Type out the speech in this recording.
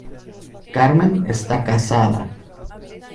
Carmen está casada.